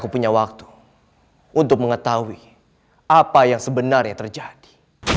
punya waktu untuk mengetahui apa yang sebenarnya terjadi